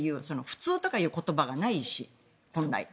普通とか言う言葉がないし本来。